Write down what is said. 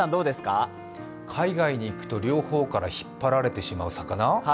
海外に行くと両方から引っ張られてしまう魚？